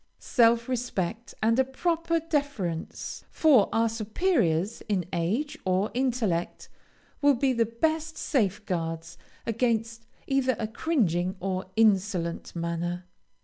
Self respect, and a proper deference for our superiors in age or intellect, will be the best safeguards against either a cringing or insolent manner.